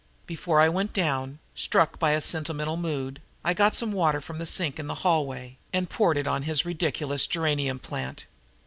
Before I went down, struck by a sentimental mood, I got some water from the sink in the hallway and poured it on his ridiculous geranium plant.